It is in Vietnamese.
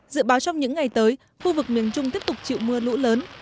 dự báo trong những ngày tới khu vực miền trung tiếp tục chịu mưa lũ lớn